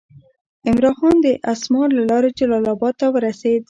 عمرا خان د اسمار له لارې جلال آباد ته ورسېد.